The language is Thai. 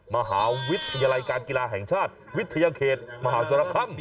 มหาวิทยาลัยการกีฬาแห่งชาติวิทยาเขตมหาศาลคำ